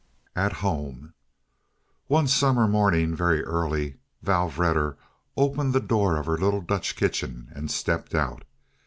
At Home One summer morning, very early, Vrouw Vedder opened the door of her little Dutch kitchen and stepped out.